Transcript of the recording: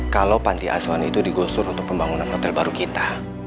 kalau panti asuhan itu digusur untuk pembangunan hotel baru kita